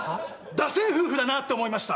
ダセエ夫婦だなと思いました